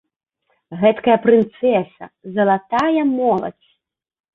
Гэткая прынцэса, залатая моладзь.